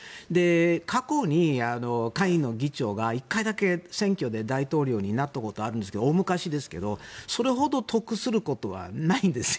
過去に下院の議長が１回だけ選挙で大統領になったことがあるんですけど大昔ですけどそれほど得することはないんですよ。